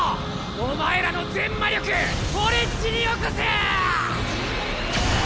お前らの全魔力俺っちによこせぇ‼